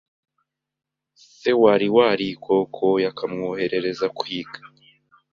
se wari warikokoye akomwohereza Kwiga